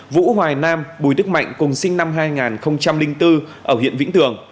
vũ hoài nam bùi đức mạnh cùng sinh năm hai nghìn bốn ở huyện vĩnh tường